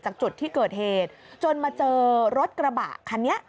จากจุดที่เกิดเหตุจนมาเจอรถกระบะคันนี้